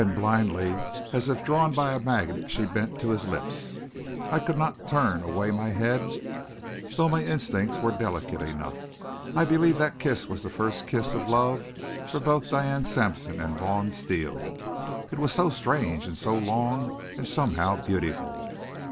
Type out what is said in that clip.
Then blindly, as if drawn by a magnet, she bent to his lips. I could not turn away my head, though my instincts were delicate enough. I believe that kiss was the first kiss of love for both Diane Sampson and Vaughn Steele. It was so strange and so long, and somehow beautiful.